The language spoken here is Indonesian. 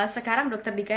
sekarang dokter dika